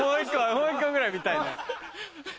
もう一個ぐらい見たいね。